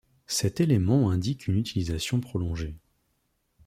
Cet élément indique une utilisation prolongée.